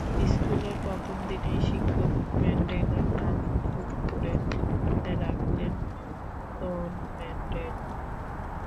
স্কুলে প্রথম দিনেই শিক্ষক ম্যান্ডেলার নাম নতুন করে রাখলেন নেলসন ম্যান্ডেলা।